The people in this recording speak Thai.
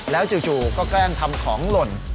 แล้วจู่ก็แกล้งทำของหล่น